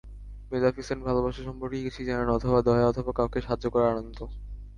Maleficent ভালবাসা সম্পর্কে কিছুই জানেনা, অথবা দয়া অথবা কাউকে সাহায্য করার আনন্দ।